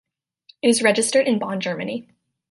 It is registered in Bonn, Germany.